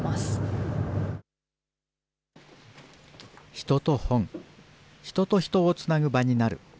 人と本、人と人をつなぐ場になる。